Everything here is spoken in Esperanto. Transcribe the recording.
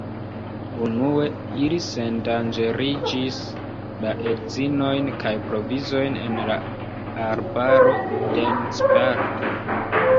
Unue, ili sendanĝeriĝis la edzinojn kaj provizojn en la arbaro densparte.